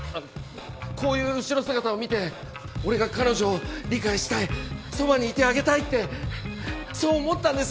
こういう後ろ姿を見て俺が彼女を理解したいそばにいてあげたいってそう思ったんです。